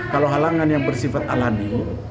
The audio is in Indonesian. kalau halangan yang bersifat alami